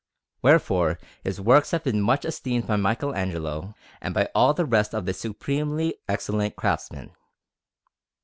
Wherefore his works have been much esteemed by Michelagnolo and by all the rest of the supremely excellent craftsmen.